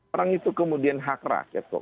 orang itu kemudian hak rakyat kok